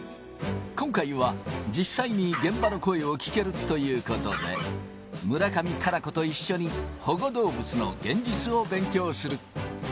今回は実際に現場の声を聞けるということで、村上佳菜子と一緒に保護動物の現実を勉強する。